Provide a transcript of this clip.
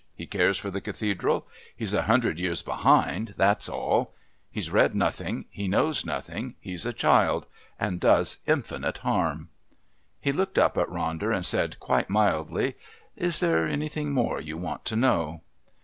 He cares for the Cathedral. He's a hundred years behind, that's all. He's read nothing, he knows nothing, he's a child and does infinite harm...." He looked up at Ronder and said quite mildly, "Is there anything more you want to know?"